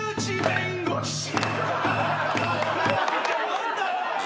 何だよ。